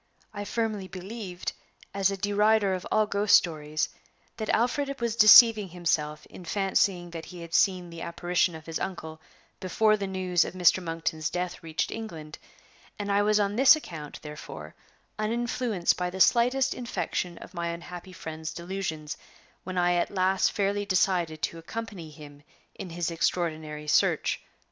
I firmly believed, as a derider of all ghost stories, that Alfred was deceiving himself in fancying that he had seen the apparition of his uncle before the news of Mr. Monkton's death reached England, and I was on this account, therefore, uninfluenced by the slightest infection of my unhappy friend's delusions when I at last fairly decided to accompany him in his extraordinary search.